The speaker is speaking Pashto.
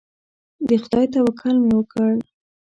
د خدای توکل مې وکړ.